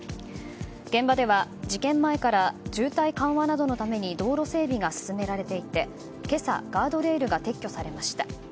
現場では、事件前から渋滞緩和などのために道路整備が進められていて今朝、ガードレールが撤去されました。